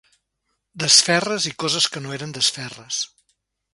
Desferres i coses que no eren desferres